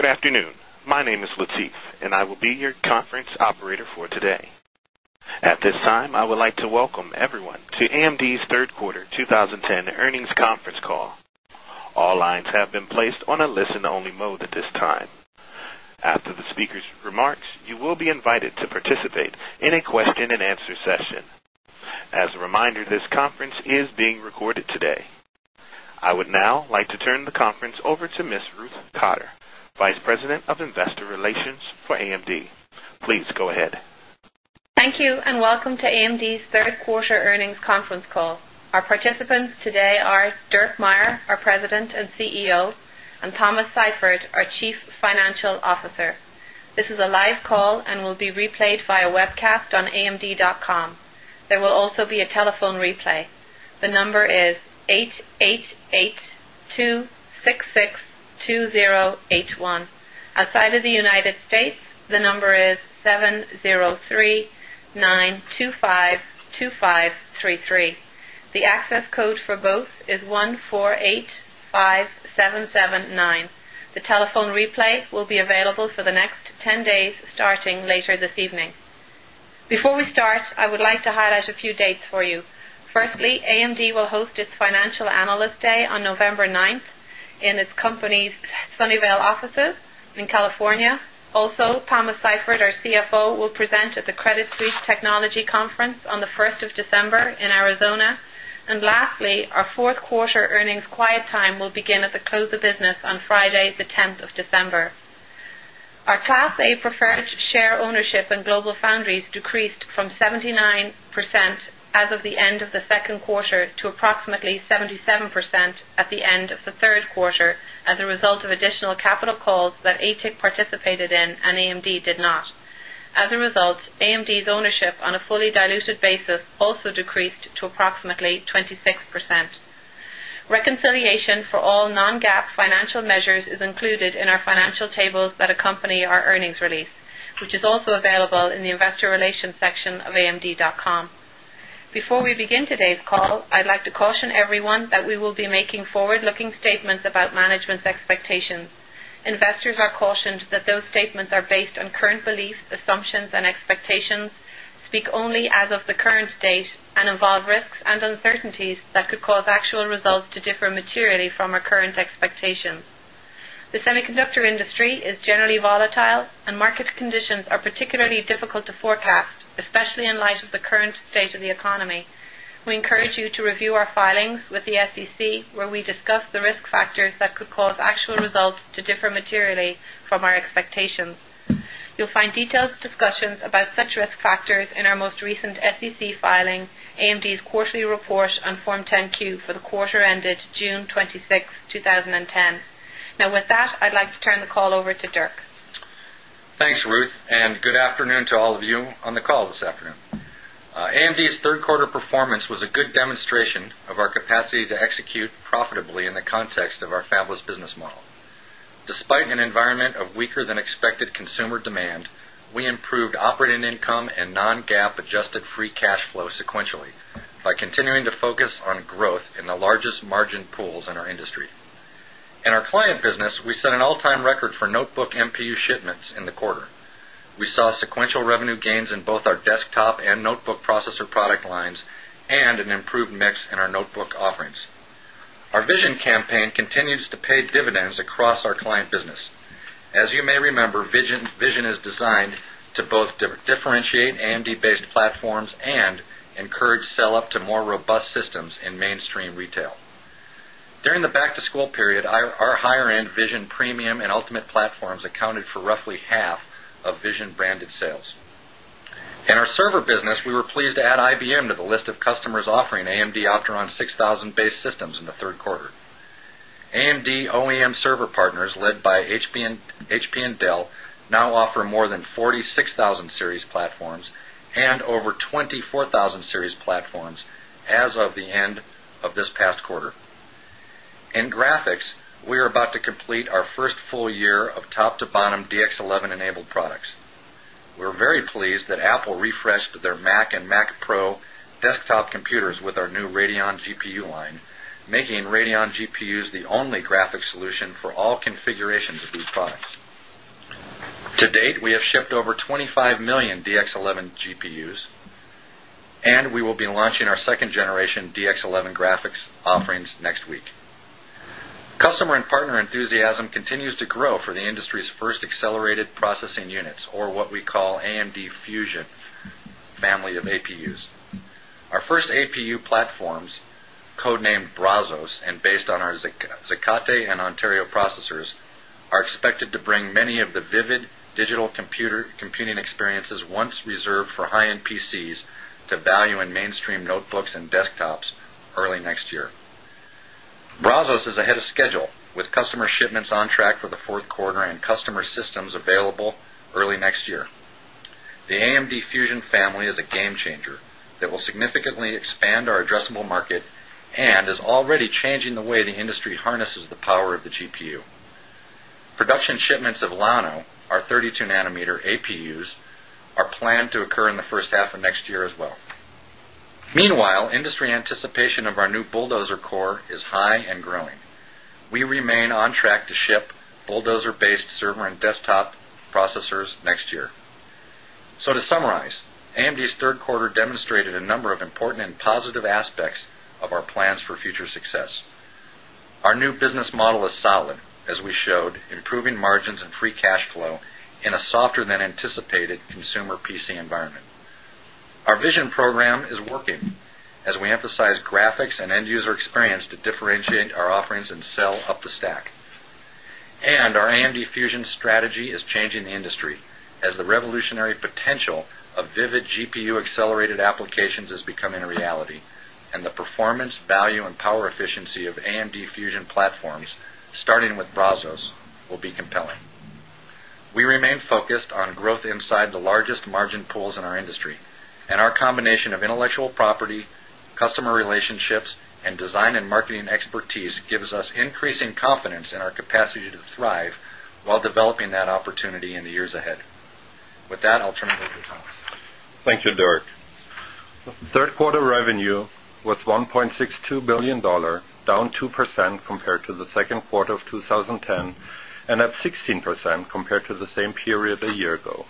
Good afternoon. My name is Latif, and I will be your conference operator for today. At this time, I would like to welcome everyone to AMD's Third Quarter 20 10 Earnings Conference Call. All lines have been placed a listen only mode at this time. After the speakers' remarks, you will be invited to participate in a question and answer session. As a reminder, this conference is being recorded today. I would now like to turn the conference over to Ms. Ruth Cotter, Vice President of Investor Relations for AMD. Please go ahead. Thank you, and welcome to AMD's 3rd quarter earnings conference call. Before we start, I would like to highlight a few dates for you. Firstly, AMD will host its Financial Analyst Day on November 9th in its company's Sunnyvale offices in California. Also, Thomas Seifert, our CFO, will present at the Credit Suisse Technology Conference on the 1st December in Arizona. And lastly, Our Q4 earnings quiet time will begin at the close of business on Friday, 10th December. Our Class Approximately 77% at the end of the 3rd quarter as a result of additional capital calls that ATIC participated in and AMD did not. As a result, AMD's ownership on a fully diluted basis also decreased to approximately 26%. Reconciliation for all non GAAP financial measures is included in our financial tables that accompany our earnings release, which is also available in the Investor Relations section of amd.com. Before we begin today's call, I'd like to caution everyone that we will be making forward looking statements about management's expectations. Investors are cautioned that Those statements are based on current beliefs, assumptions and expectations, speak only as of the current date and involve risks and uncertainties that could cause actual results to differ The semiconductor industry is generally volatile and market conditions are particularly difficult to forecast, especially in light of the current state of the economy. We encourage you to review our filings with the SEC, where we discuss the risk factors that could cause actual results You'll find detailed discussions about such risk factors in our most recent SEC filings, AMD's quarterly report on Form 10 Q for the quarter ended June 26, 2010. Now with that, I'd like to turn the call over to Dirk. Thanks, Ruth, and good afternoon to all of you on the call this afternoon. AMD's 3rd quarter performance was a good demonstration of our capacity to execute profitably in the context of our fabless business model. Despite an environment of weaker than expected consumer demand, We improved operating income and non GAAP adjusted free cash flow sequentially by continuing to focus on growth in the largest margin pools in our industry. In our client business, we set an all time record for notebook MPU shipments in the quarter. We saw sequential revenue gains in both our Desktop and notebook processor product lines and an improved mix in our notebook offerings. Our vision campaign continues to pay dividends across our client As you may remember, Vision is designed to both differentiate AMD based platforms and platforms accounted for roughly half of Vision branded sales. In our server business, we were pleased to add IBM to the list of customers offering AMD Optron 6 1,000 based systems in the 3rd quarter. AMD OEM server partners led by HP and Dell Now offer more than 46,000 series platforms and over 24,000 series platforms as of the end of this past quarter. In graphics, we are about to complete our 1st full year of top to bottom DX11 enabled products. We're very pleased that Apple refreshed their Mac and Mac Pro desktop computers with our new Radeon GPU line, Customer and partner enthusiasm continues to grow for the industry's 1st accelerated processing units or what we call AMD Fusion family of APUs. Our first APU platforms code named Brazos and based on our Zicate and Ontario Processors Are expected to bring many of the vivid digital computing experiences once reserved for high end PCs to value in mainstream notebooks and desktops Early next year. Brazos is ahead of schedule with customer shipments on track for the Q4 and customer systems available early next year. The AMD Fusion family is a game changer that will significantly expand our addressable market and is already Changing the way the industry harnesses the power of the GPU. Production shipments of Lano, our 32 nanometer APUs Our plan to occur in the first half of next year as well. Meanwhile, industry anticipation of our new Bulldozer core is high and growing. We remain on track to ship Bulldozer based server and desktop processors next year. So to summarize, AMD's 3rd quarter demonstrated a number of important and positive aspects of our plans for future success. Our new business model is solid as we showed improving margins and free cash flow in a softer than anticipated consumer PC environment. Our Our vision program is working as we emphasize graphics and end user experience to differentiate our offerings and sell up the stack. And our AMD Fusion strategy is changing the industry as the revolutionary potential of vivid GPU accelerated applications is becoming a reality And the performance value and power efficiency of AMD Fusion platforms starting with Brazos will be compelling. We remain focused on growth inside the largest margin pools in our industry, and our combination of intellectual property, Customer relationships and design and marketing expertise gives us increasing confidence in our capacity to thrive while developing that opportunity in the years ahead. With that, I'll turn it over to Thomas. Thank you, Dirk. 3rd quarter revenue was $1,620,000,000 Down 2% compared to the Q2 of 2010 and up 16% compared to the same period a year ago.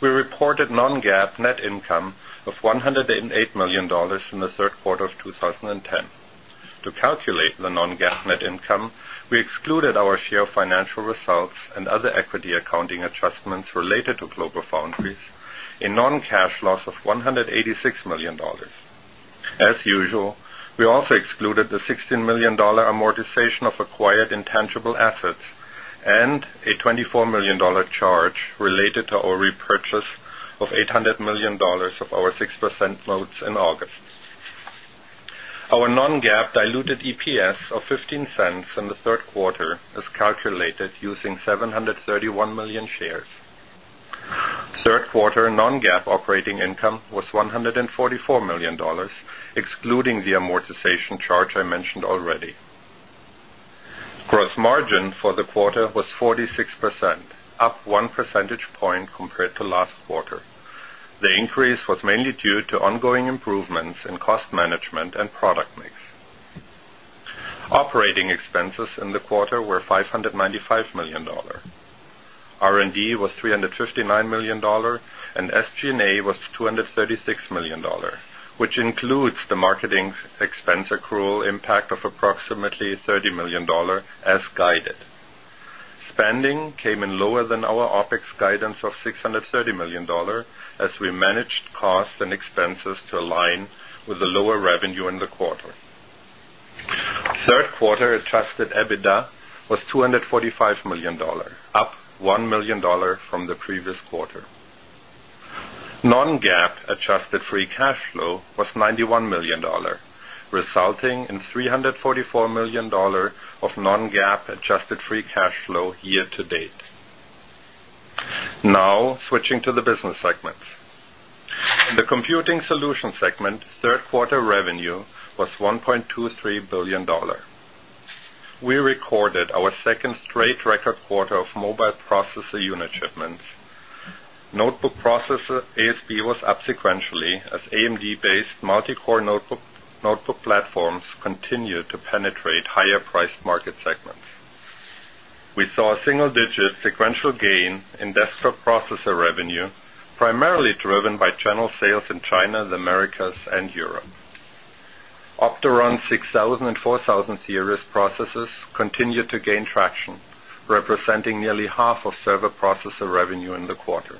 We reported non GAAP net income of $108,000,000 in the Q3 of 2010. To calculate the non GAAP net income, we excluded our share financial results and other equity accounting adjustments related to GlobalFoundries, a non On cash loss of $186,000,000 As usual, we also excluded the $16,000,000 amortization of acquired tangible assets and a $24,000,000 charge related to our repurchase of $800,000,000 of our 6% notes in August. Our non GAAP diluted EPS of $0.15 in the 3rd quarter is calculated using 731,000,000 shares. 3rd quarter non GAAP operating income was $144,000,000 excluding the amortization charge I mentioned already. Gross margin for the quarter was 46%, up 1 percentage point compared to last quarter. Expenses in the quarter were $595,000,000 R and D was $359,000,000 and SG was $236,000,000 which includes the marketing expense accrual impact of approximately 30,000,000 Spending came in lower than our OpEx guidance of $630,000,000 as we was $245,000,000 up $1,000,000 from the previous quarter. Non GAAP adjusted free cash flow $91,000,000 resulting in $344,000,000 of non GAAP adjusted free cash flow year to date. Now switching to the business segments. In the Computing Solutions segment, 3rd quarter revenue was $1,230,000,000 We recorded our 2nd straight record quarter of mobile processor unit shipments. Notebook processor ASB was up sequentially as AMD based multicore notebook platforms continue to penetrate higher priced market segments. We saw a single digit sequential gain in desktop processor revenue, primarily driven by channel sales in China, the Americas and Europe. Optoron 60004000 series processors continue to gain traction, representing nearly half of server processor revenue in the quarter.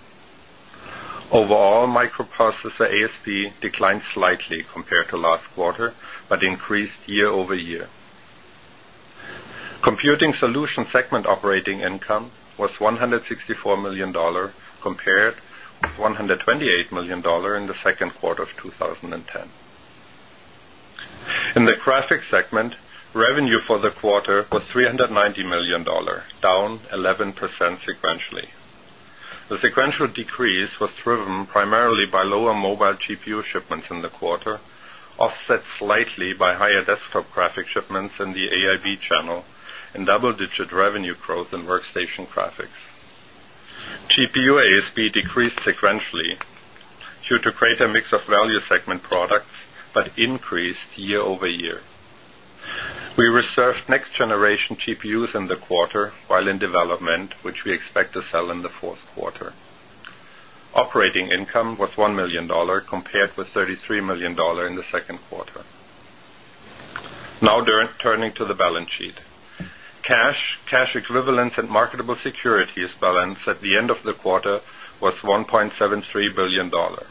Overall, microprocessor ASP declined slightly compared to last quarter but increased year over year. Computing Solutions segment operating income was $164,000,000 compared with $128,000,000 in the In the Graphics segment, revenue for the quarter was 3 $20,000,000 down 11% sequentially. The sequential decrease was driven primarily by lower mobile GPU shipments in the quarter, GPU ASP decreased sequentially due to greater mix of value segment products, but increased year over year. We reserved next generation GPUs in the quarter while in development, which we expect to sell in the 4th quarter. Operating Income was $1,000,000 compared with $33,000,000 in the second quarter. Now turning to the balance sheet. Cash, cash equivalents and marketable securities balance at the end of the quarter was $1,730,000,000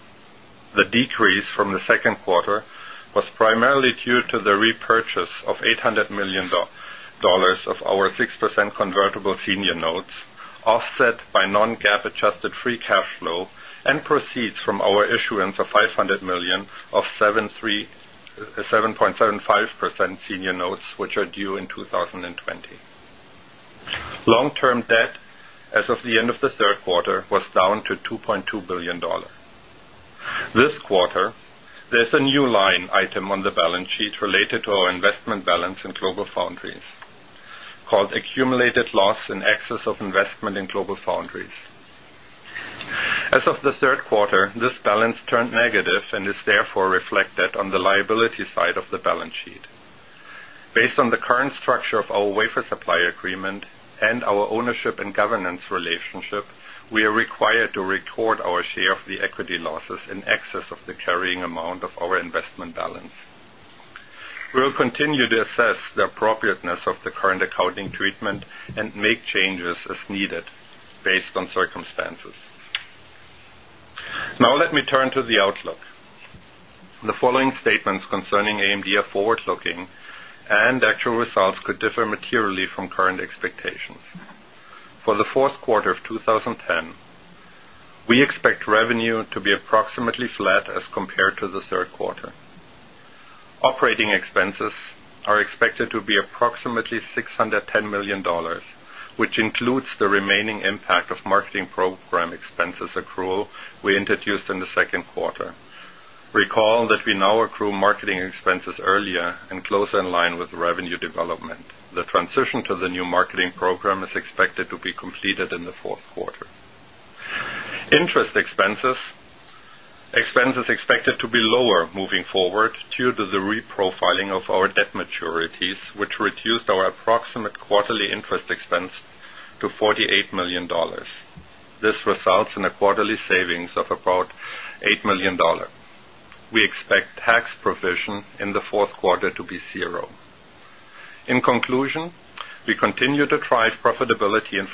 The Decrease from the Q2 was primarily due to the repurchase of $800,000,000 of our 6% convertible senior notes, Offset by non GAAP adjusted free cash flow and proceeds from our issuance of $500,000,000 of 7.75 percent senior notes, which are due in 2020. Long Debt as of the end of the third quarter was down to $2,200,000,000 This quarter, There's a new line item on the balance sheet related to our investment balance in GlobalFoundries called accumulated loss in excess of investment in GlobalFoundries. As of the Q3, this balance turned negative and is therefore reflected on the liability side of the balance sheet. Based on the current structure of our wafer supply agreement and our ownership and governance relationship, The following statements concerning AMD are forward looking and actual results could differ materially from current expectations. For the Q4 of 2010, we expect revenue to be approximately flat as compared to the 3rd quarter. Operating expenses are expected to be approximately $610,000,000 which includes the remaining impact of program expenses accrual we introduced in the Q2. Recall that we now accrue marketing expenses earlier and close in line with Revenue development. The transition to the new marketing program is expected to be completed in the Q4. Interest Expense is expected to be lower moving forward due to the re profiling of our debt maturities, which reduced our approximate quarterly interest Expense to $48,000,000 This results in a quarterly savings of about $8,000,000 We expect tax provision in the Q4 to be 0. In conclusion, we continue to drive profitability At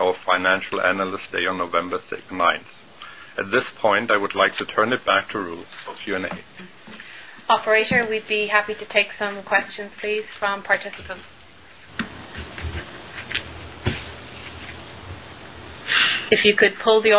our Financial Analyst Day on November 9. At this point, I would like to turn it back to Ruth for Q and A. Operator, we'd be happy to take some questions please from participants. If you could pull the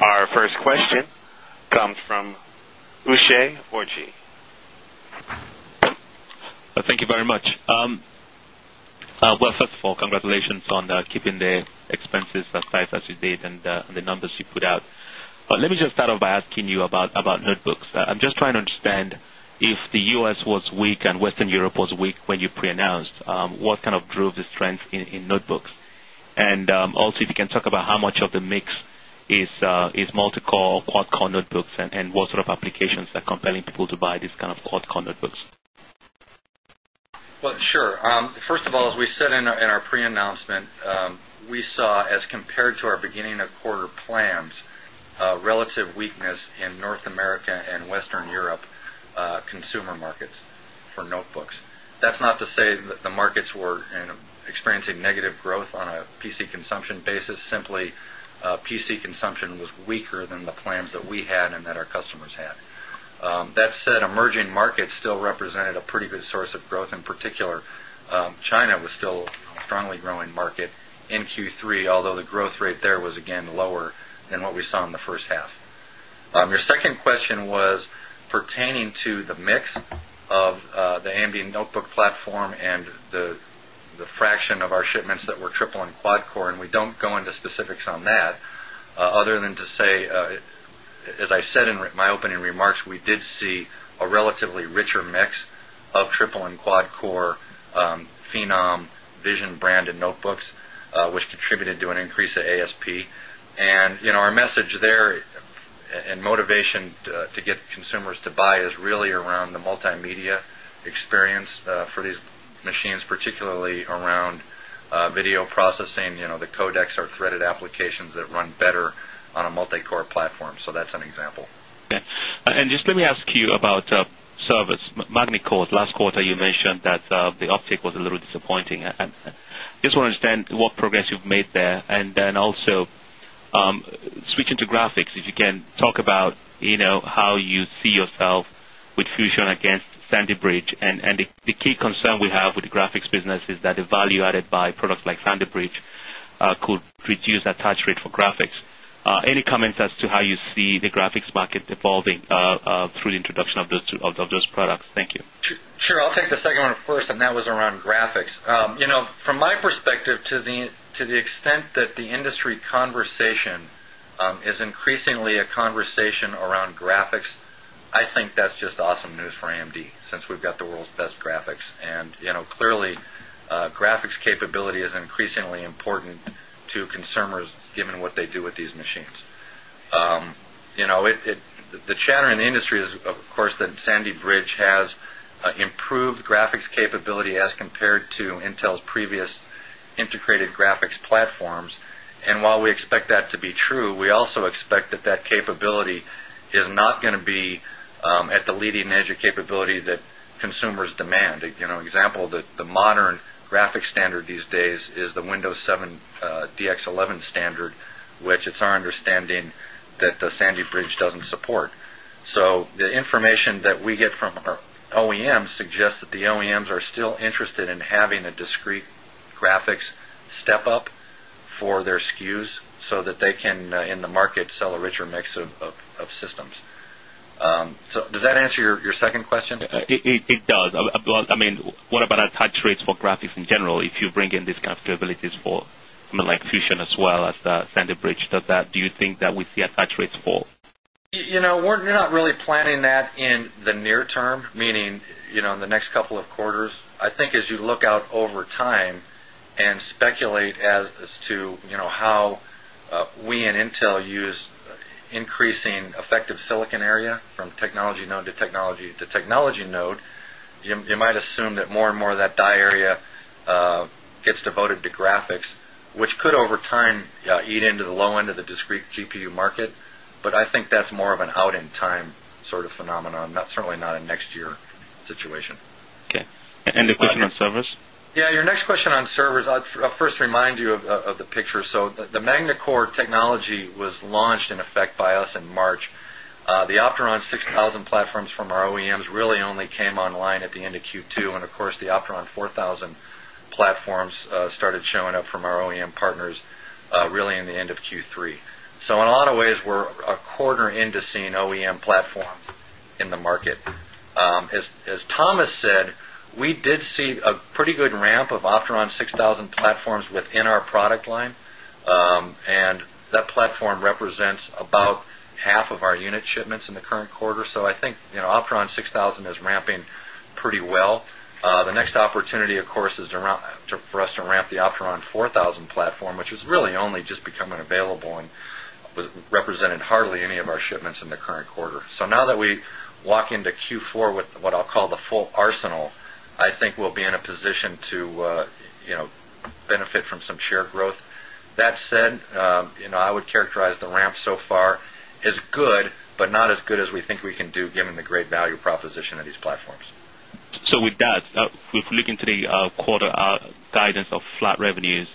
Our first question comes from Usha Ojji. Thank you Well, first of all, congratulations on keeping the expenses aside as you did and the numbers you put out. Let me just I'm just trying to understand if the U. S. Was weak and Western Europe was weak when you preannounced, what kind of drove the strength in notebooks? And also if you can talk about how much of the mix is multi core, quad core notebooks and what sort of applications are compelling people to buy this kind of quad core notebooks? Well, sure. First of all, as we said in our pre announcement, we saw as compared to our beginning of quarter plans Relative weakness in North America and Western Europe consumer markets for notebooks. That's not to say that the markets were Experiencing negative growth on a PC consumption basis simply PC consumption was weaker than the plans that we had That said, emerging markets still represented a pretty good source of growth in particular. China was still strongly growing market in Q3, although the growth rate there was again lower than what we saw in the first half. Your second question was pertaining to the mix of the ambient notebook platform and The fraction of our shipments that were triple and quad core and we don't go into specifics on that other than to say, As I said in my opening remarks, we did see a relatively richer mix of triple and quad core Phenom Vision branded notebooks, which contributed to an increase in ASP. And our message there and motivation to get consumers to is really around the multimedia experience for these machines, particularly around video processing, the codecs And just let me ask you about service, Magnecode last quarter you mentioned That's the uptick was a little disappointing. I just want to understand what progress you've made there. And then also switching to graphics, You can talk about how you see yourself with Fusion against Sandy Bridge and the key concern we have with the graphics business is that the value added It's evolving through the introduction of those products. Thank you. Sure. I'll take the second one first and that was around graphics. From my perspective To the extent that the industry conversation is increasingly a conversation around graphics, I think that's just awesome news for AMD, since we've got the world's best graphics. And clearly, graphics capability is increasingly important To consumers given what they do with these machines. The chatter in the industry is of course that That to be true, we also expect that that capability is not going to be at the leading edge of capability that Consumers demand, example, the modern graphic standard these days is the Windows 7 DX11 standard, It's our understanding that the Sandy Bridge doesn't support. So the information that we get from our OEMs suggest that the OEMs are Interested in having a discrete graphics step up for their SKUs, so that they can in the market sell a richer mix So does that answer your second question? It does. I mean, what about our tax rates for graphics in If you bring in these capabilities for like Fusion as well as the Sandy Bridge, does that do you think that we see attach rates fall? We're not really planning that in the near term, meaning in the next couple of quarters. I think as you look out over time And speculate as to how we and Intel use increasing effective silicon area from Technology node to technology node, you might assume that more and more of that die area gets devoted to graphics, Which could over time eat into the low end of the discrete GPU market, but I think that's more of an out in time sort of phenomenon, certainly not in next year situation. Okay. And the question on servers? Yes, your next question on servers, I'll first remind you of the picture. So the MagnaCore Technology was launched in effect by us in March. The Optron 6000 platforms from our OEMs really only came online at the end of Q2 And of course the Optron 4000 platforms started showing up from our OEM partners really in the end of Q3. So in a lot of ways, we're a quarter in Seeing OEM platforms in the market. As Thomas said, we did see a pretty good ramp of 6,000 platforms within our product line and that platform represents about half of our unit shipments in the current quarter. So, I think Aptron 6000 is ramping pretty well. The next opportunity of course is around for us to ramp the Aptron 4000 platform, which is really Just becoming available and represented hardly any of our shipments in the current quarter. So now that we walk into Q4 with what I'll call the full arsenal, I think we'll be in a position to benefit from some share growth. That said, I would characterize the ramp So far as good, but not as good as we think we can do given the great value proposition of these platforms. So with that, if we look into the quarter Guidance of flat revenues,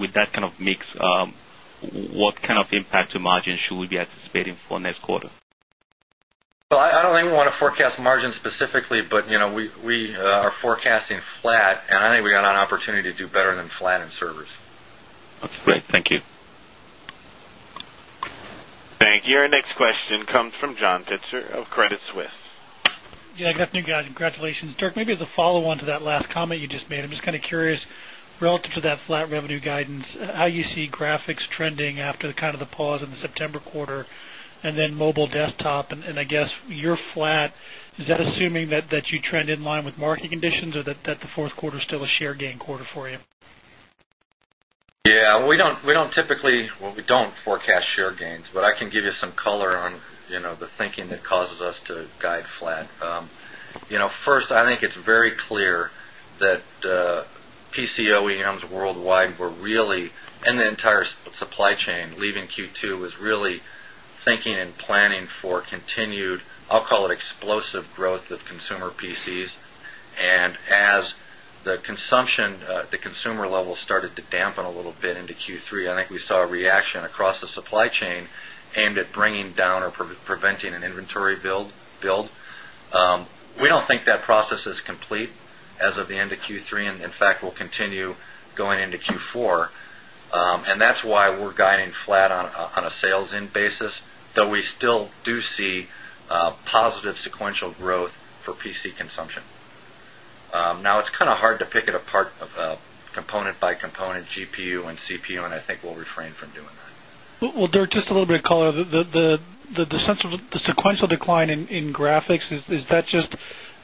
with that kind of mix, what kind of impact to margin should we be anticipating for next quarter? Well, I don't think we want to forecast margin specifically, but we are forecasting flat and I think we got an opportunity to do better than flat in servers. Thank you. Thank you. Our next question comes from John Pitzer of Credit Suisse. Yes. Good afternoon, Congratulations. Dirk, maybe as a follow on to that last comment you just made, I'm just kind of curious relative to that flat revenue guidance, how you see graphics trending after Kind of the pause in the September quarter and then mobile desktop and I guess you're flat. Is that assuming that you trend in line with market conditions or The Q4 is still a share gain quarter for you? Yes. We don't typically well, we don't forecast share gains, but I can give you some color on the thinking 1st, I think it's very clear that PC OEMs worldwide Really and the entire supply chain leaving Q2 was really thinking and planning for continued, Into Q3, I think we saw a reaction across the supply chain aimed at bringing down or preventing an inventory Bill, we don't think that process is complete as of the end of Q3 and in fact will continue going into Q4. And That's why we're guiding flat on a sales in basis, though we still do see positive sequential growth for PC consumption. Now it's kind of hard to pick it apart of a component by component GPU and CPU, and I think we'll refrain from doing that. Well, Dirk, just a little bit of color. The sequential decline in graphics, is that just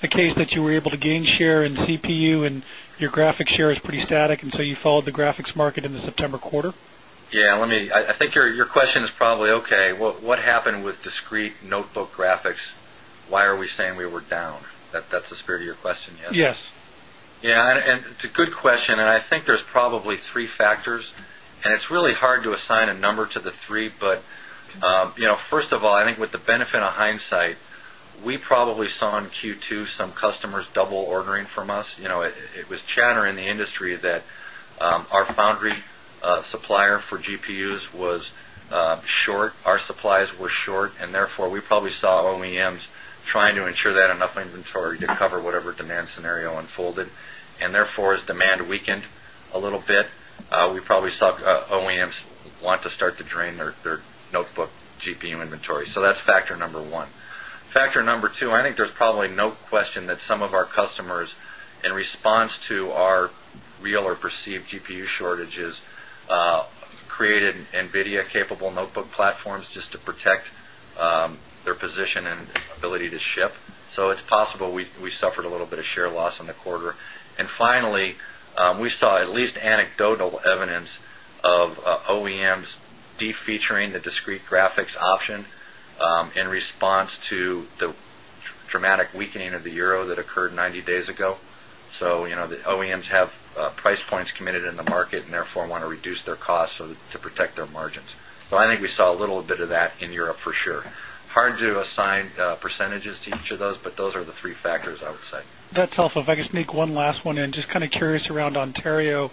the case that you were able to gain share in TPU and your graphic share is pretty static and so you followed the graphics market in the September quarter? Yes, let me I think your question is probably okay. What happened with Discrete notebook graphics, why are we saying we were down? That's the spirit of your question. Yes. Yes. And it's a Good question. And I think there's probably 3 factors and it's really hard to assign a number to the 3. But first of all, I think with the benefit In hindsight, we probably saw in Q2 some customers double ordering from us. It was chatter in the industry that our Supplier for GPUs was short. Our supplies were short and therefore we probably saw OEMs try I'm sure that enough inventory to cover whatever demand scenario unfolded. And therefore, as demand weakened a little bit, OEMs want to start to drain their notebook GPU inventory. So that's factor number 1. Factor number 2, I think there's probably no capable notebook platforms just to protect their position and ability to ship. So, it's possible we suffered a little bit of share loss in the quarter. And finally, We saw at least anecdotal evidence of OEMs defeaturing the discrete graphics option In response to the dramatic weakening of the euro that occurred 90 days ago, so the OEMs have Price points committed in the market and therefore want to reduce their costs to protect their margins. So I think we saw a little bit of that in Europe for sure. Hard to assign percentages to each of those, but those are the three factors, I would say. That's helpful. If I could sneak one last one in, just kind of curious around Ontario,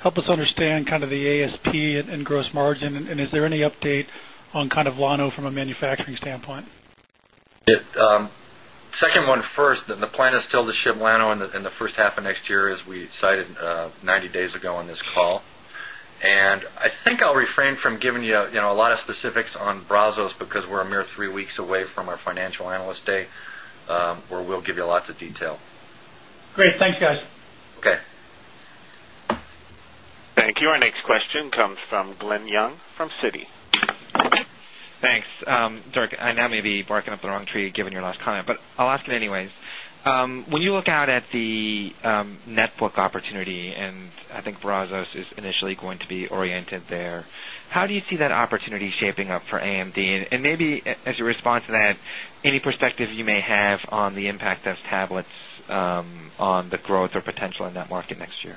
Help us understand kind of the ASP and gross margin and is there any update on kind of Lano from a manufacturing standpoint? Yes. Second one first, the plan is still to ship Llano in the first half of next year as we cited 90 days ago on this call. And I think I'll refrain from giving you a lot of specifics on Brazos because we're a mere 3 weeks away from our Financial Analyst Day, where we'll give Great. Thanks guys. Okay. Thank you. Our next question comes from Glenn Young from Citi. Thanks. Dirk, I now may be barking up the wrong tree given your last comment, but I'll ask it anyways. When you look At the netbook opportunity, and I think Brazos is initially going to be oriented there. How do you see that opportunity shaping up for AMD? And maybe as you respond to that, any perspective you may have on the impact of tablets on the growth or potential in that market next year?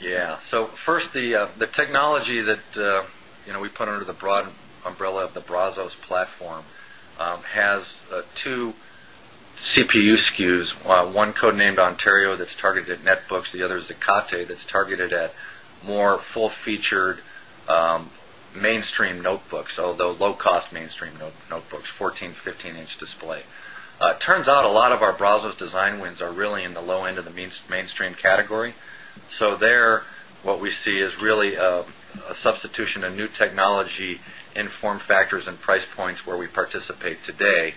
Yes. So, first, the technology that we put under the broad umbrella of the Brazos platform has 2 CPU SKUs, one code named Ontario that's targeted netbooks, the other is a CATE that's targeted at more full featured Mainstream notebooks, although low cost mainstream notebooks 14 inches to 15 inches display. It turns out a lot of our browsers design wins are really in the low end of the So there what we see is really a substitution and new technology, inform factors and price points where we Today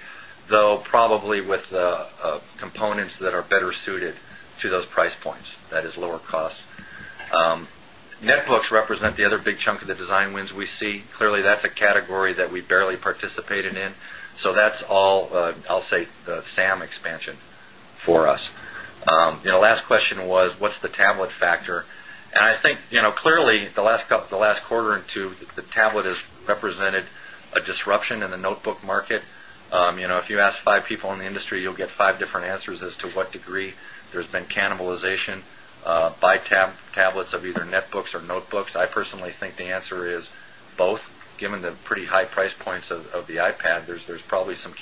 though probably with components that are better suited to those price points that is lower cost. Netbooks represent the other big chunk of the design wins we see. Clearly, that's a category that we barely participated in. So that's all, I'll say, the SAM expansion For us, last question was what's the tablet factor? And I think clearly the last quarter and 2, the tablet has represented A disruption in the notebook market, if you ask 5 people in the industry, you'll get 5 different answers as to what degree there's been cannibalization By tablets of either netbooks or notebooks, I personally think the answer is both given the pretty high price points of the iPad, there's probably some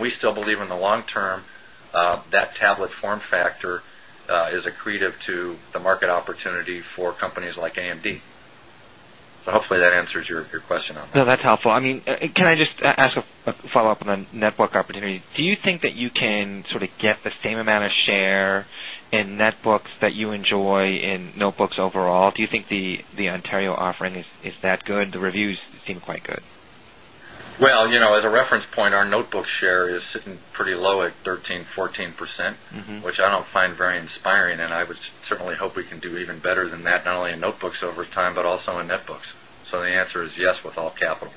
We still believe in the long term that tablet form factor is accretive The market opportunity for companies like AMD. So hopefully that answers your question. No, that's helpful. I mean, can I just ask Follow-up on net book opportunity? Do you think that you can sort of get the same amount of share in net books that you enjoy in notebooks overall? Do you The Ontario offering is that good, the reviews seem quite good. Well, as a reference point, our notebook It's pretty low at 13%, 14%, which I don't find very inspiring and I would certainly hope we can do even better than that, not only in notebooks over time, but also in netbooks. So the answer is yes with all capital.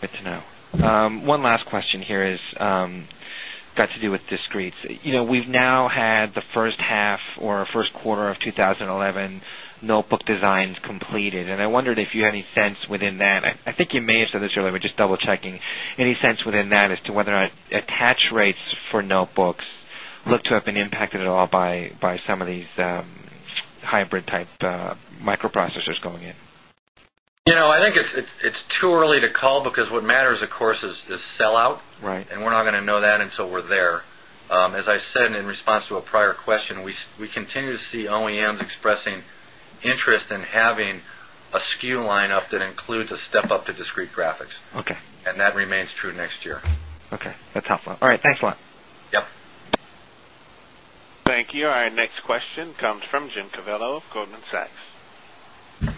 Good to know. One last question here is got to do with We've now had the first half or Q1 of 2011 notebook designs completed. And I wondered if you had any sense within I think you may have said this earlier, but just double checking. Any sense within that as to whether or not attach rates for notebooks look to have impacted at all by some of these hybrid type microprocessors going in? I think it's too early Call because what matters of course is sell out. Right. And we're not going to know that until we're there. As I said in response to a prior question, we continue to see OEMs expressing Interest in having a SKU lineup that includes a step up to discrete graphics. Okay. And that remains true next year. Okay. That's helpful. All right. Thanks a lot. Yes. Thank you. Our next question comes from Jim Covello of Goldman Sachs.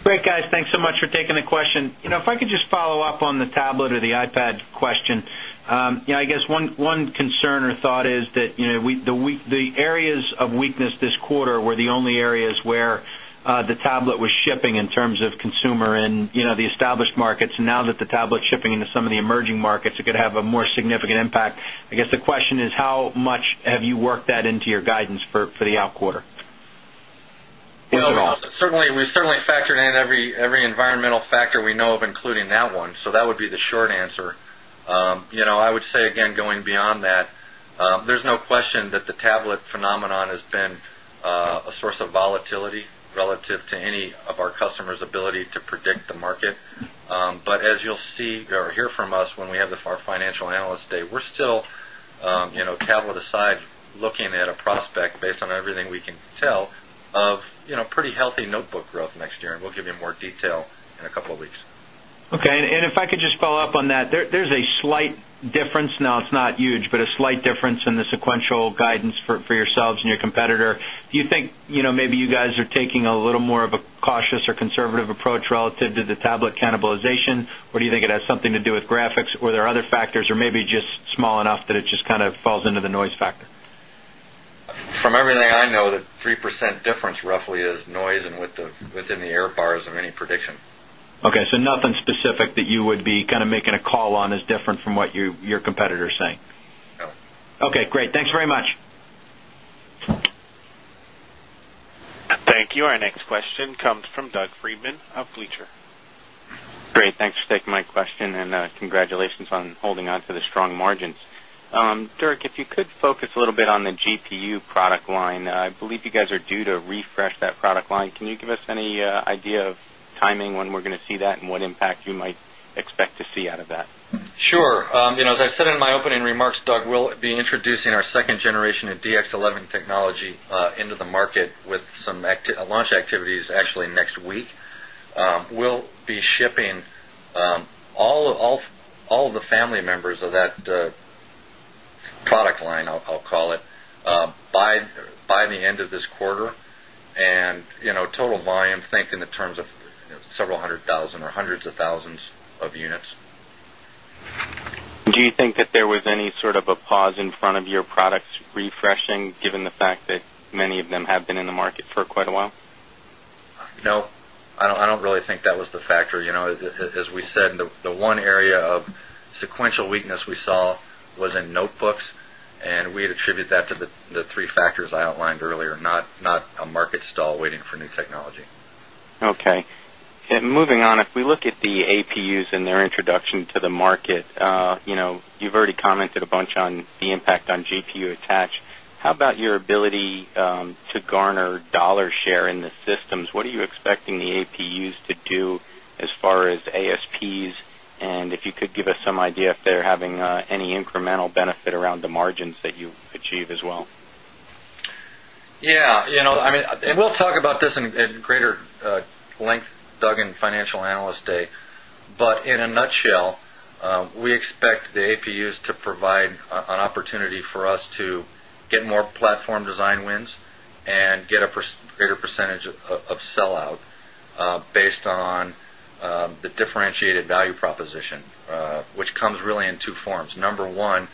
Great, guys. If I could just follow-up on the tablet or the iPad question. I guess one concern or thought is The areas of weakness this quarter were the only areas where the tablet was shipping in terms of consumer in the established markets. Now that the tablet Chipping into some of the emerging markets, it could have a more significant impact. I guess the question is how much have you worked that into your guidance for the out quarter? Ross, certainly we certainly factored in every environmental factor we know of including that one. So that would be the short answer. I would say again going beyond that, there's no question that the tablet phenomenon has been a source of volatility Relative to any of our customers' ability to predict the market, but as you'll see or hear from us when we have the Financial Analyst Day, Still, tablet aside looking at a prospect based on everything we can tell of pretty healthy notebook growth next year and we'll give you more detail in a couple of weeks. Okay. And if I could just follow-up on that, there's a slight difference now it's not huge, but a slight difference in the sequential guidance for yourselves and your competitor. Do you think maybe you guidance for yourselves and your competitor. Do you think maybe you guys are taking a little more of a cautious or conservative approach relative to the Tablet cannibalization or do you think it has something to do with graphics or there are other factors or maybe just small enough that it just kind of falls into the noise factor? From everything know that 3% difference roughly is noise and within the air bars of any prediction. Okay. So nothing specific that you would be kind of making Call on is different from what your competitors are saying. Okay, great. Thanks very much. Thank Our next question comes from Doug Friedman of Bleacher. Great. Thanks for taking my question and congratulations on holding on to the strong margins. Dirk, if you could focus a little bit on the GPU product line, I believe you guys are due to refresh that product line. Can you give us any idea of Timing when we're going to see that and what impact you might expect to see out of that? Sure. As I said in my opening remarks, Doug, we'll We'll be introducing our 2nd generation of DX11 technology into the market with some launch activities actually next week. We'll be shipping All the family members of that product line, I'll call it, By the end of this quarter and total volume, think in the terms of several 100,000 or 100 of 1000 of units. Do you think that there was any sort of a pause in front of your products refreshing given the fact that many of them have been in the market for quite a while? No, I don't really think that was the factor. As we said, the one area of sequential weakness we saw Was in notebooks and we attribute that to the three factors I outlined earlier, not a market stall waiting for new technology. Okay. And moving on, if We look at the APUs and their introduction to the market. You've already commented a bunch on the impact on GPU attached. How about your ability To garner dollar share in the systems, what are you expecting the APUs to do as far as ASPs? And if you could give us some idea if they're having any incremental benefit around the margins that you achieve as well? Yes. I mean, and we'll talk about this in greater length, Doug, in Financial Analyst Day. But in a We expect the APUs to provide an opportunity for us to get more platform design wins And get a greater percentage of sell out based on the differentiated value proposition, which comes really in 2 Number 1,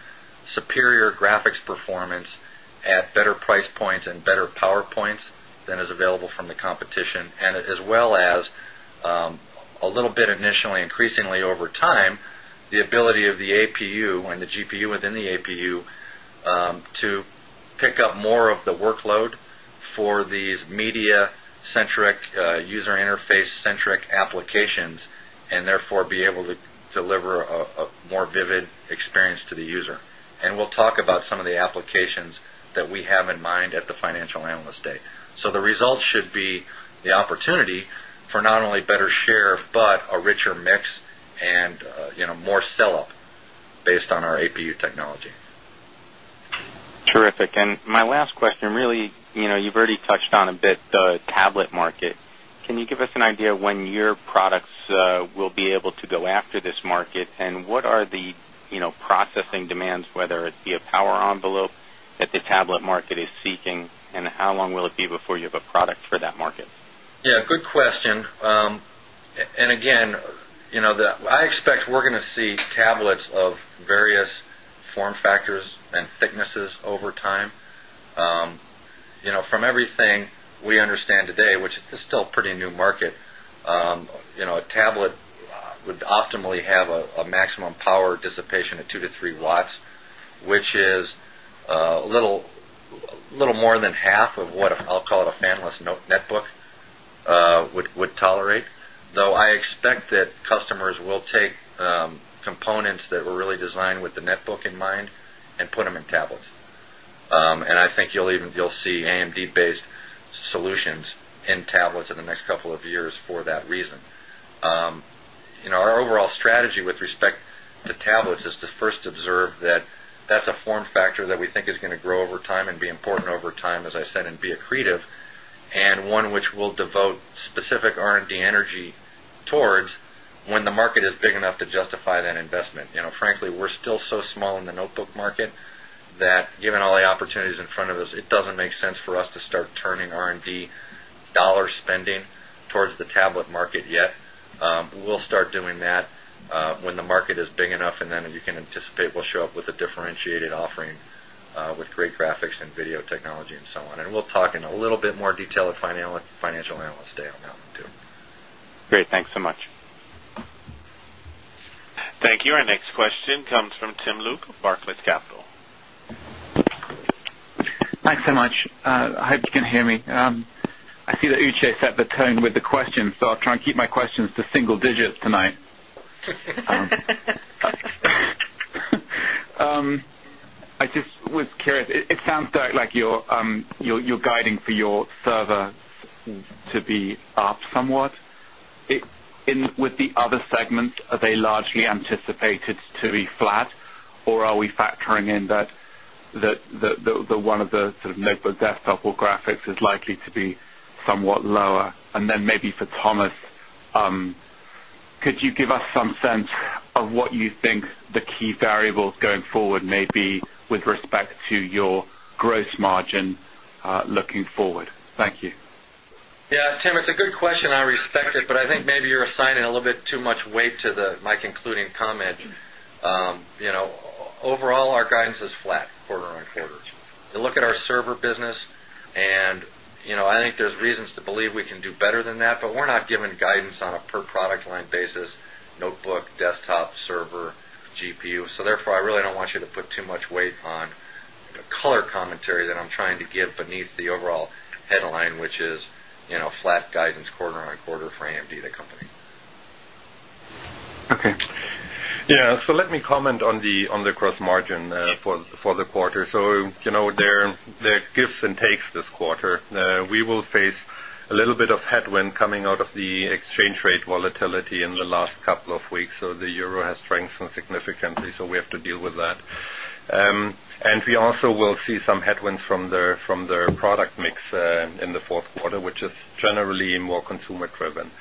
superior graphics performance at better price points and better power points than is available from the competition and as And as well as a little bit initially increasingly over time, the ability of the APU For not only better share, but a richer mix and more sell up based on our APU technology. Terrific. And my last question really, you've already touched on a bit the tablet market. Can you give us an When your products will be able to go after this market and what are the processing demands whether it be a power envelope If the tablet market is seeking and how long will it be before you have a product for that market? Yes, good question. And again, I expect we're going to see tablets of various form factors and thicknesses over time. From everything we understand today, which is still pretty new market, a tablet would optimally have a maximum power a patient of 2 to 3 watts, which is a little more than half of what I'll call it a fanless netbook Would tolerate, though I expect that customers will take components that were really designed with the net book in mind and put them in tablets. And I think you'll even you'll see AMD based solutions in tablets in the next couple of years for that reason. Our overall strategy with respect to tablets is to first observe that that's a form factor that we think is going to grow over time and be important over As I said and be accretive and one which will devote specific R and D energy towards when the market is big enough to justify that investment. Frankly, we're still so small in the notebook market that given all the opportunities in front of us, it doesn't make And then you can anticipate we'll show up with a differentiated offering with great graphics and video technology and so on. And we'll talk in a little bit more detail at Financial Analyst Day on Great. Thanks so much. Thank you. Our next question comes from Tim Luke, Barclays Capital. Thanks so much. I hope you can hear me. I see that Uche set the tone with the question. So I'll try and keep my questions to single digits tonight. I just was curious, it sounds like you're Guiding for your server to be up somewhat. With the other segment, are they largely anticipated to be flat? Or are we factoring in that the one of the sort of notebook desktop or graphics is likely to be somewhat lower? And then maybe for Thomas, could you give us some sense of what you think the key variables going forward maybe Yes, Tim, it's a good question. I respect it, but I think You're assigning a little bit too much weight to my concluding comment. Overall, our guidance is flat quarter on quarter. Look at our server business and I think there's reasons to believe we can do better than that, but we're not giving guidance on a per product line basis, notebook, Desktop, server, GPU. So therefore, I really don't want you to put too much weight on color commentary that I'm trying to give beneath the overall headline, which is Flat guidance quarter on quarter for AMD, the company. Okay. Yes. So let me comment on the gross Margin for the quarter. So there are gives and takes this quarter. We will face a little bit of headwind coming out of the exchange Great volatility in the last couple of weeks. So, the euro has strengthened significantly, so we have to deal with that. And we also will see some Headwinds from the product mix in the Q4, which is generally more consumer driven.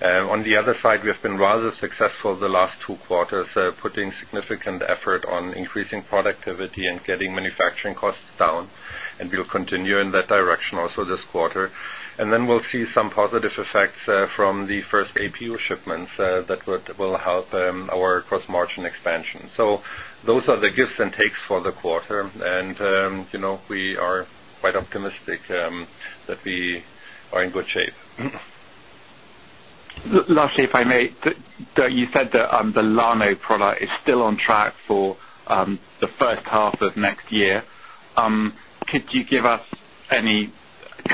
On the other side, we have been rather successful the last two quarters, Putting significant effort on increasing productivity and getting manufacturing costs down, and we'll continue in that direction also this quarter. And then we'll see some positive effects from the first APU shipments that will help our gross margin expansion. So those The gives and takes for the quarter, and we are quite optimistic that we are in good shape. Lastly, if I may, you said that the Lano product is still on track for the first half of next year. Could you give us any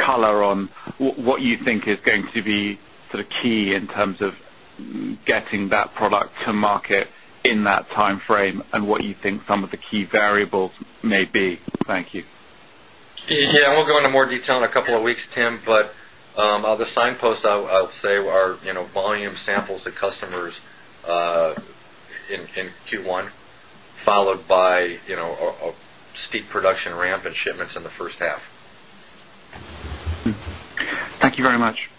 color on what you think is going to be sort of key in terms of getting that product to market in that timeframe and what you think some of the key variables may be? Thank you. Yes, we'll go into more detail in a couple of weeks, Tim, but the signpost, I'll say, are volume samples of customers In Q1, followed by a steep production ramp in shipments in the first half. Thank you very much.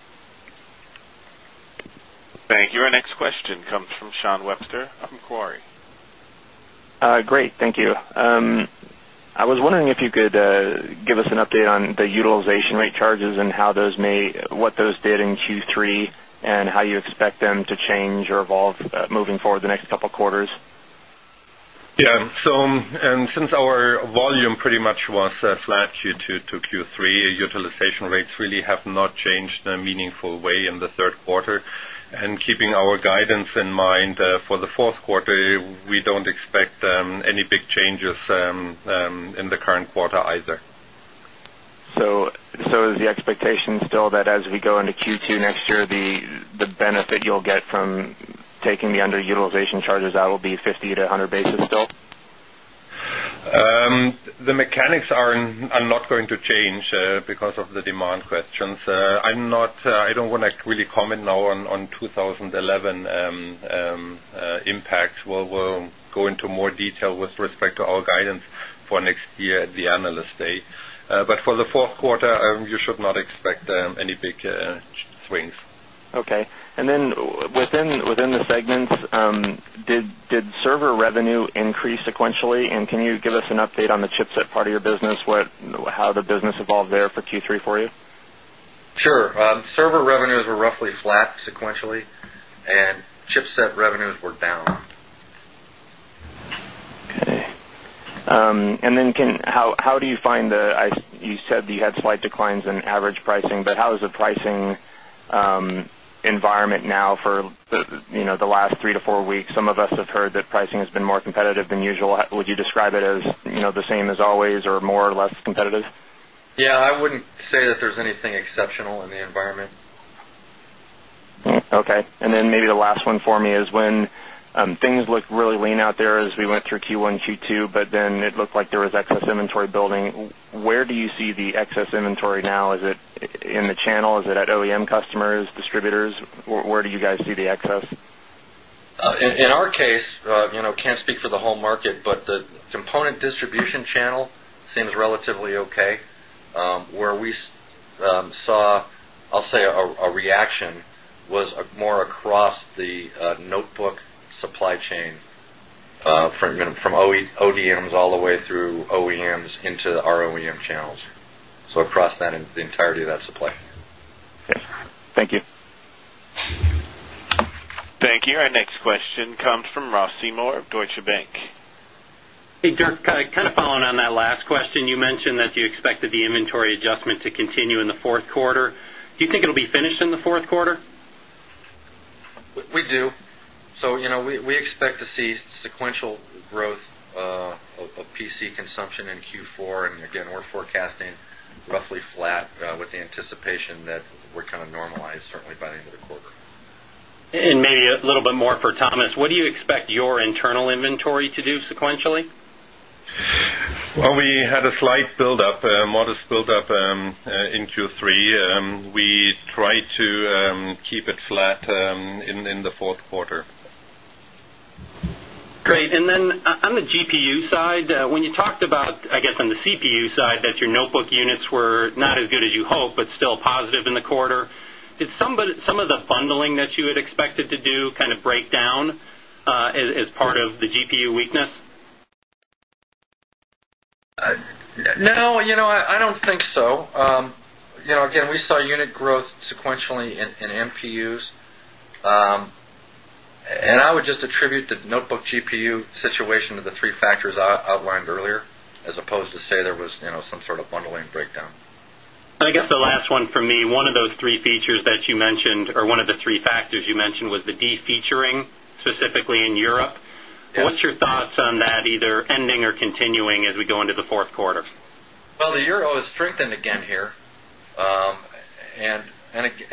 Thank you. Our next question comes from Sean Webster of Macquarie. Great. Thank you. I was wondering if you could give us an update on the utilization And how those may what those did in Q3 and how you expect them to change or evolve moving forward the next couple of quarters? Yes. So and since our volume pretty much was flat Q2 to Q3, utilization rates We have not changed in a meaningful way in the Q3. And keeping our guidance in mind for the Q4, we Still that as we go into Q2 next year, the benefit you'll get from taking the underutilization charges out will be 50 to 100 basis The mechanics are not going to change because of the demand questions. I'm not I don't want to really comment now on But for the Q4, you should not expect any big swings. Okay. And then Within the segments, did server revenue increase sequentially? And can you give us an update on the chipset part of your business? What how the business Sure. Server revenues were roughly flat sequentially and chipset revenues were down. Okay. And then, how do you find the you said that you had slight declines in average pricing, How is the pricing environment now for the last 3 to 4 weeks? Some of us have heard that pricing has been more competitive than usual. Would you describe it as The same as always or more or less competitive? Yes, I wouldn't say that there's anything exceptional in the environment. Okay. Then maybe the last one for me is when things look really lean out there as we went through Q1, Q2, but then it looked like there was excess inventory building. Where do you see the excess inventory now? Is it in the channel? Is it at OEM customers, distributors? Where do you guys see the excess? In our case, can't speak for the whole market, but the component distribution channel seems relatively Where we saw, I'll say a reaction was more across the notebook Supply chain from ODMs all the way through OEMs into our OEM channels. So across Our next question comes from Ross Seymore of Deutsche Bank. Hey, Dirk, kind of following on that last question, you mentioned that you expected the inventory adjustment to continue in the Q4. Do you think it will be finished in the Q4? We do. So, we expect to see sequential growth of PC consumption in Q4. And We're forecasting roughly flat with the anticipation that we're kind of normalized certainly by the end of the quarter. And A little bit more for Thomas. What do you expect your internal inventory to do sequentially? Well, we had a slight buildup, modest buildup In Q3, we tried to keep it flat in the Q4. Great. And then on the GPU side, when you talked about, I guess, on the CPU side that your notebook units were not as good as you hoped, but still positive in the quarter. In the quarter, did somebody some of the bundling that you had expected to do kind of break down as part of the GPU weakness? No, I don't think so. Again, we saw unit growth sequentially in MPUs And I would just attribute the notebook GPU situation to the three factors I outlined earlier as opposed to say there was some sort of bundling breakdown. And I guess the last one for me. One of those three features that you mentioned or one of the three factors you mentioned was the defeaturing specifically in Europe. What's Thoughts on that either ending or continuing as we go into the Q4? Well, the euro has strengthened again here. And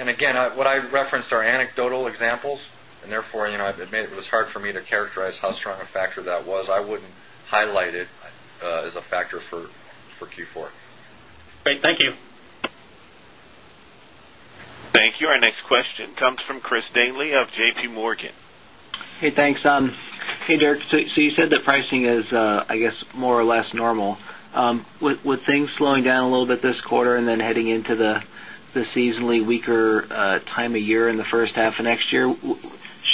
again, what I referenced are anecdotal examples, and therefore, it was hard for me to characterize how strong a factor that was. I wouldn't Highlighted as a factor for Q4. Great. Thank you. Thank you. Our next question comes from Chris Danely of JPMorgan. Hey, thanks. Hey, Derek. So you said that pricing is, I guess, more or less normal. With things slowing down a little bit this quarter and then heading into the seasonally weaker time of year in the first half of next year,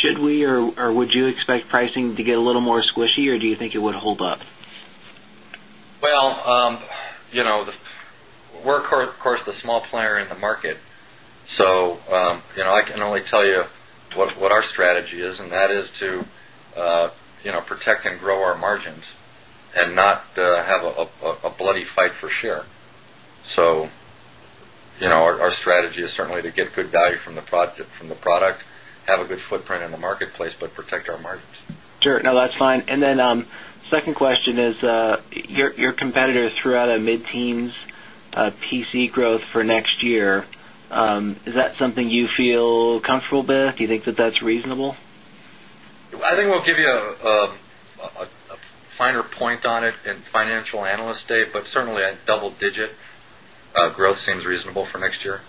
should We are or would you expect pricing to get a little more squishy or do you think it would hold up? Well, We're of course the small player in the market. So, I can only tell you what our strategy is and that is Protect and grow our margins and not have a bloody fight for share. So, our strategy is certainly to Good value from the product, have a good footprint in the marketplace, but protect our margins. Sure. No, that's fine. And then Question is your competitors throughout a mid teens PC growth for next year. Is that something you feel comfortable Do you think that that's reasonable? I think we'll give you a finer point on it in Financial Analyst Day, but certainly a Double digit growth seems reasonable for next year.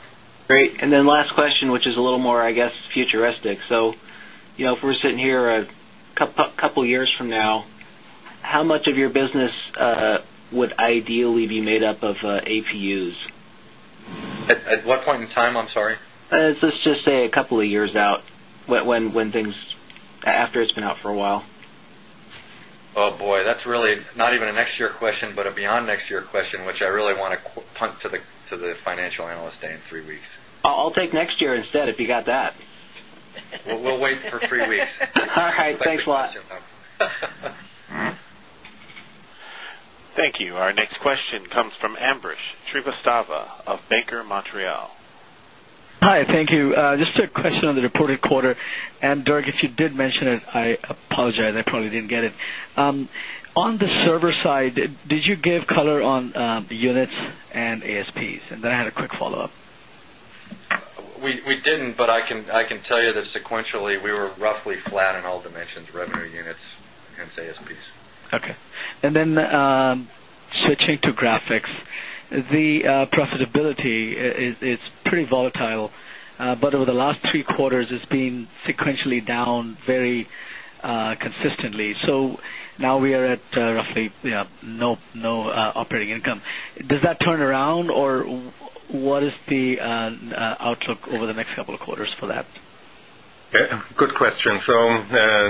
Great. And then last question, which is a little more, I guess, futuristic. So if we're sitting here a Couple of years from now, how much of your business would ideally be made up of APUs? At what point in time, I'm sorry? Let's just say a couple of years out when things after it's been out for a while. Oh, boy, that's really not even a next year question, but a beyond next year question, which I really want to punt to the Financial Analyst Day in 3 weeks. I'll take next Instead if you got that. We'll wait for 3 weeks. All right. Thanks a lot. Thank you. Our Next question comes from Ambrish Srivastava of Banker Montreal. Hi, thank you. Just a question on the reported quarter. And Dirk, if you did mention it, I apologize, I probably didn't get it. On the server side, did you give color On the units and ASPs and then I had a quick follow-up. We didn't, but I can tell you that sequentially, We were roughly flat in all dimensions revenue units and ASPs. Okay. And then switching to graphics, the Profitability is pretty volatile, but over the last three quarters, it's been sequentially down very consistently. So Now we are at roughly no operating income. Does that turn around or what is the outlook Over the next couple of quarters for that. Good question. So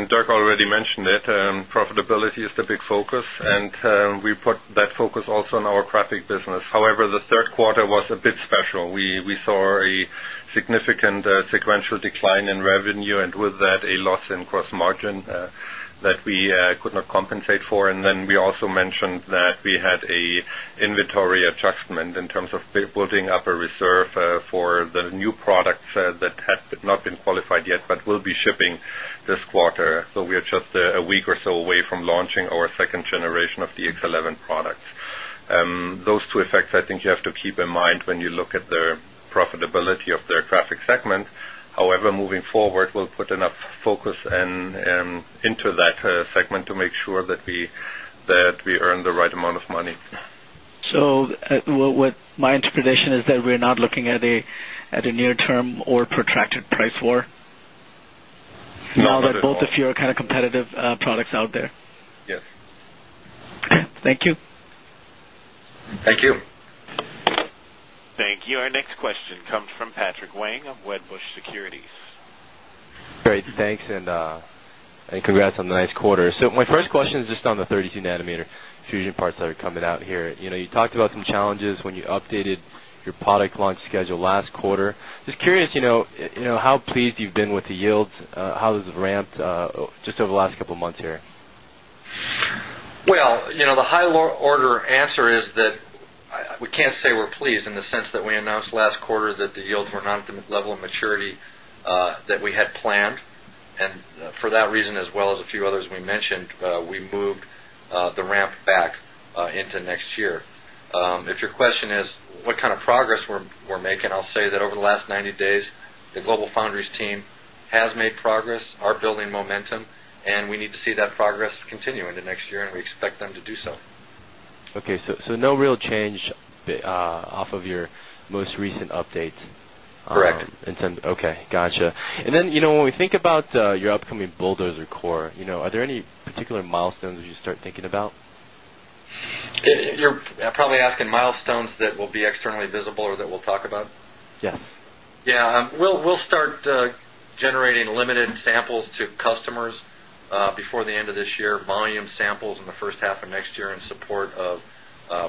Dirk already mentioned it, profitability is the big focus, And we put that focus also on our traffic business. However, the Q3 was a bit special. We saw a significant And sequential decline in revenue and with that a loss in gross margin that we could not compensate for. And then we also mentioned that We had a inventory adjustment in terms of building up a reserve for the new products that had not been qualified yet, but We'll be shipping this quarter, so we are just a week or so away from launching our 2nd generation of DX11 products. Those two effects, I think you have to keep in mind when you look at the profitability of the aircraft segment. However, moving forward, we'll put enough focus into So what my interpretation is that We're not looking at a near term or protracted price war? No. Now that both of you are kind of competitive products out there? Yes. Thank you. Thank you. Thank you. Our next question comes from Patrick Wang of Wedbush Great. Thanks and congrats on the nice quarter. So my first question is just on the 32 nanometer fusion parts that are coming out here. You talked about some challenges when you updated your product launch schedule last quarter. Just curious how pleased you've been with the yields? How does it ramped just Well, the high order answer is that we can't say We're pleased in the sense that we announced last quarter that the yields were not at the level of maturity that we had planned. And for that Reason as well as a few others we mentioned, we moved the ramp back into next year. If your question is what Progress we're making, I'll say that over the last 90 days, the GlobalFoundries team has made progress, are building momentum And we need to see that progress continue into next year and we expect them to do so. Okay. So no real change off of your most recent update? Correct. Okay, got you. And then when we think about your upcoming bulldozer core, are there any particular milestones that you start thinking about? You're probably asking milestones that will be externally visible or that we'll talk about? Yes. Yes. We'll start Generating limited samples to customers before the end of this year, volume samples in the first half of next year in support of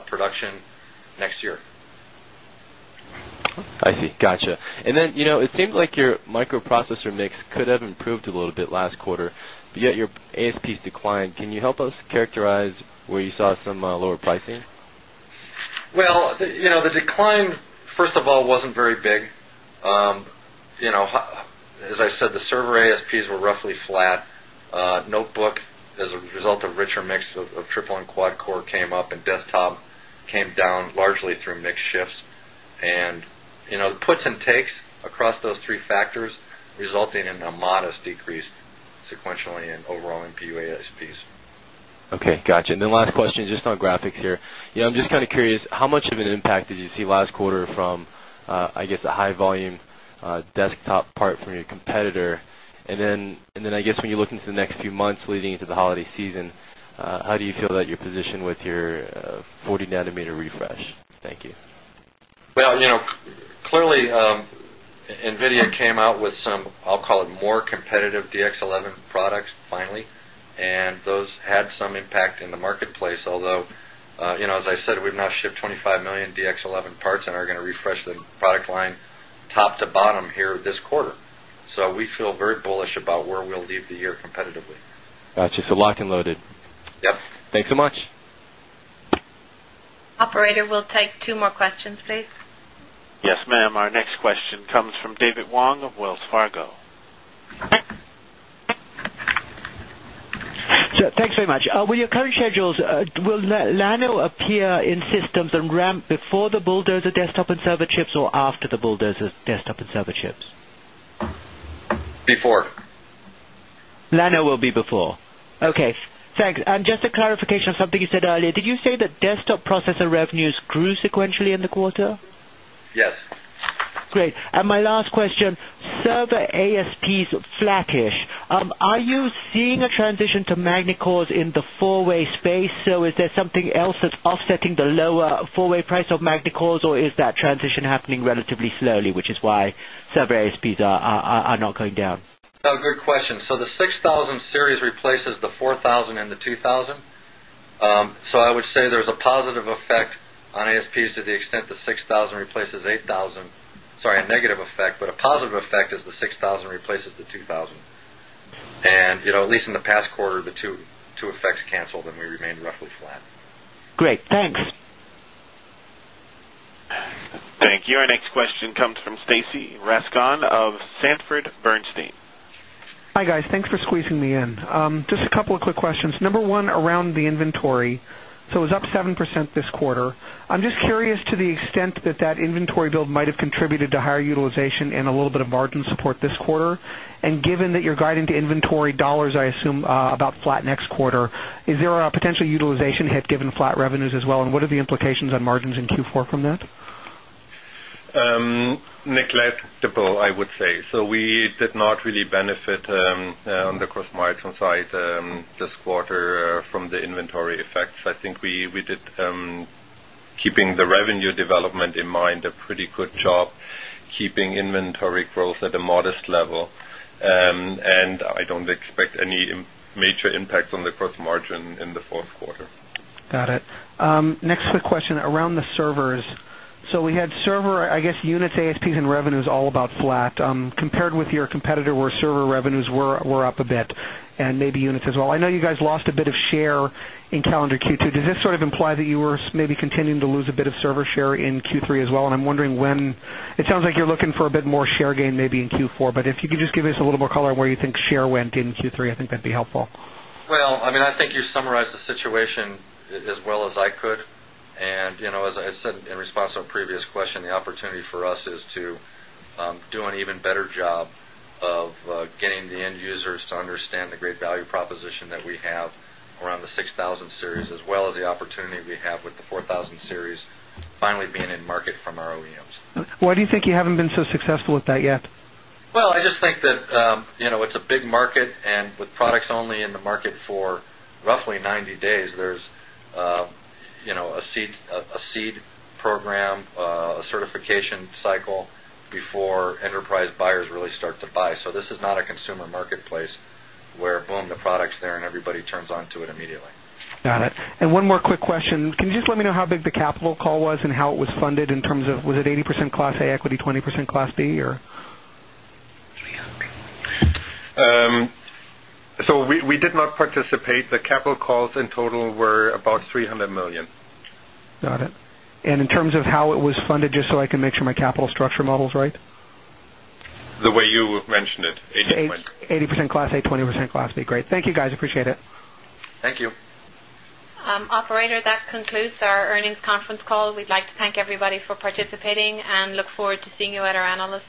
production next year. I see. Got you. And then it seems like your microprocessor mix could have improved a little bit last quarter, but yet your ASPs declined. Can you help characterize where you saw some lower pricing? Well, the decline, first of all, wasn't very big. As I said, the server ASPs were roughly flat. Notebook as a result of richer mix of triple and quad core came down largely through mix shifts and puts and takes across those three factors resulting in a modest decrease Sequentially and overall in BUASPs. Okay, got you. And then last question just on graphics here. I'm just kind of curious how much of an impact did you see last quarter from I guess the high volume desktop part from your competitor. And then I guess when you look into the next few months leading into the holiday season, How do you feel that you're positioned with your 40 nanometer refresh? Thank you. Well, clearly, NVIDIA came out with some, I'll call it more competitive DX11 products finally and those had some Operator, we'll take 2 more questions, please. Yes, ma'am. Our next question comes from David Wong of Wells Fargo. Thanks very much. With your current schedules, will Lano appear in systems and ramp Before the bulldozer desktop and server chips or after the bulldozer desktop and server chips? Before. Lana will be before. Okay. Thanks. And just a clarification on something you said earlier. Did you say that desktop processor revenues grew sequentially in the quarter? Yes. Great. And my last question, server ASPs are flattish. Are you seeing a transition to MagnaCore In the four way space, so is there something else that's offsetting the lower four way price of MagnaCore or is that transition happening relatively slowly, which is why Very ASPs are not going down. Good question. So the 6000 series replaces the 4000 and the 2000. So, I would say there is a positive effect on ASPs to the extent the 6000 replaces 8000 sorry, a negative effect, but a Positive effect is the 6,000 replaces the 2,000. And at least in the past quarter, the two effects canceled and we remained roughly flat. Great. Thanks. Thank you. Our next question comes from Stacy Rasgon of Sanford Bernstein. Hi, guys. Thanks for squeezing me in. Just a couple of quick questions. Number 1, around the inventory. So it was up 7% I'm just curious to the extent that that inventory build might have contributed to higher utilization and a little bit of margin support this quarter. And given that you're guiding to inventory dollars, I assume about flat next quarter, is there a potential utilization hit given flat revenues as well? And what are the implications on margins in Neglectable, I would say. So we did not really benefit on the gross margin side This quarter from the inventory effects, I think we did keeping the revenue development in mind, a pretty good job keeping inventory growth at a modest level. And I don't Next question around the servers. So we had server, I guess, units ASPs and revenues all about flat compared with your competitor We're up a bit and maybe units as well. I know you guys lost a bit of share in calendar Q2. Does this sort of imply that you were maybe Continuing to lose a bit of server share in Q3 as well and I'm wondering when it sounds like you're looking for a bit more share gain maybe in Q4, but if you could just give us a little more color on where Share went in Q3, I think that'd be helpful. Well, I mean, I think you summarized the situation as well as I could. And And as I said in response to a previous question, the opportunity for us is to do an even better job of getting the end users to To understand the great value proposition that we have around the 6000 series as well as the opportunity we have with the 4000 series Why do you think you haven't been so successful with that yet? Well, I just think that it's a big market and with products Only in the market for roughly 90 days, there's a seed program, a certification cycle Before enterprise buyers really start to buy. So this is not a consumer marketplace where, boom, the product's there and everybody turns on to it immediately. Got it. And one more quick question. Can you just let me know how big the capital call was and how it was funded in terms of was it 80% Class A equity, 20% Class B or? 3 So we did not participate. The Capital calls in total were about $300,000,000 Got it. And in terms of how it was funded just so I can make sure my capital structure model is right? The way you mentioned it, 80% 80% Class A, 20 percent Class A, great. Thank you, guys. Appreciate it. Thank you. Operator, that concludes our earnings conference call. We'd like to thank everybody for participating and look forward to seeing you at our Analyst